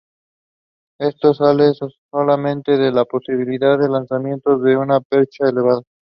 Esto sale solamente de la posibilidad del lanzamiento de una percha elevada.